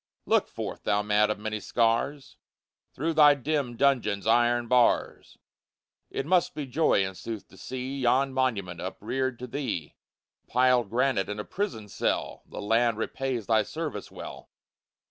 Look forth, thou man of many scars, Through thy dim dungeon's iron bars; It must be joy, in sooth, to see Yon monument upreared to thee; Piled granite and a prison cell, The land repays thy service well!